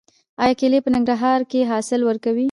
آیا کیلې په ننګرهار کې حاصل ورکوي؟